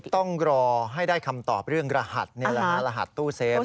ต้องรอให้ได้คำตอบเรื่องรหัสนี่แหละฮะรหัสตู้เซฟ